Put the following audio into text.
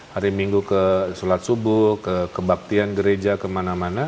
hari minggu ke sholat subuh ke kebaktian gereja kemana mana